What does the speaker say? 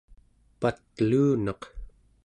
pat'luunaq